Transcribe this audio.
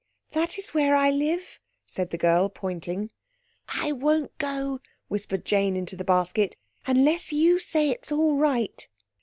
"That is where I live," said the girl pointing. "I won't go," whispered Jane into the basket, "unless you say it's all right."